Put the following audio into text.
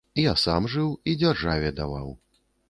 Я сам жыў і дзяржаве даваў.